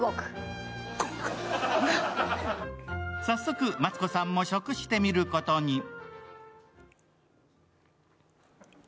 早速、マツコさんも食してみることに。